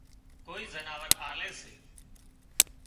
ڪوئي زناور آلي سي